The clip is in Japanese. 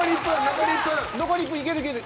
残り１分いけるいける。